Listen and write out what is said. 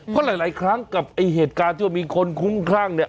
เพราะหลายครั้งกับไอ้เหตุการณ์ที่ว่ามีคนคุ้มคลั่งเนี่ย